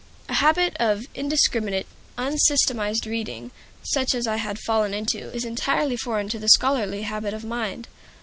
A habit of indiscriminate, unsystematized reading, such as I had fallen into, is entirely foreign to the scholarly habit of mind.